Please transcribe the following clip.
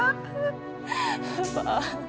kenapa bisa begini sih pa